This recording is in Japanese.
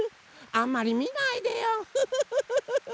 あんまりみないでよフフフフフ！